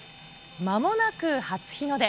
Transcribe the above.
まもなく初日の出。